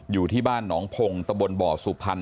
อยู่ที่บ้านหนองพงตะบนบ่อสุพรรณ